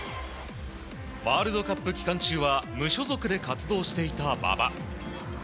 ワールドカップ期間中は無所属で活動していた馬場。